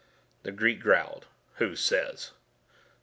The Greek growled. "Who says?"